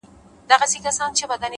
نور به شاعره زه ته چوپ ووسو؛